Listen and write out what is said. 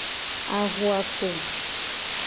Ahuako.